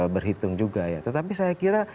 berhitung juga ya tetapi saya kira